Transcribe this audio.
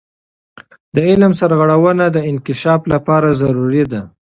د علم سرغړونه د انکشاف لپاره ضروري ده.